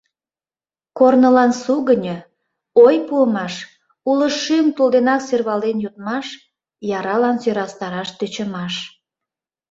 Корнылан сугыньо, ой пуымаш, уло шӱм тул денак сӧрвален йодмаш, яралан сӧрастараш тӧчымаш...